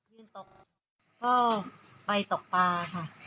ยืนตกก็ไปตกปลาค่ะ